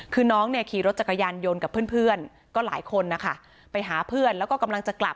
คือน้องเนี่ยขี่รถจักรยานยนต์กับเพื่อนก็หลายคนนะคะไปหาเพื่อนแล้วก็กำลังจะกลับ